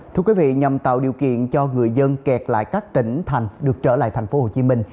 thưa quý vị nhằm tạo điều kiện cho người dân kẹt lại các tỉnh thành được trở lại thành phố hồ chí minh